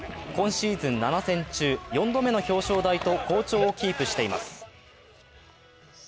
今シーズン７戦中４度目の表彰台と好調をキープしています。